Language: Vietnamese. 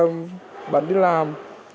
mình phải đi làm